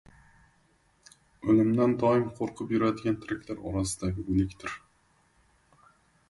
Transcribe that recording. • O‘limdan doim qo‘rqib yuradigan tiriklar orasida o‘likdir.